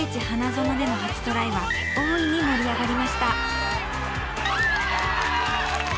花園での初トライは、大いに盛り上がりました。